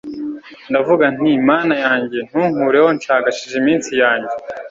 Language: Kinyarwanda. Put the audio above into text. ndavuga nti mana yanjye, ntunkureho ncagashije iminsi yanjye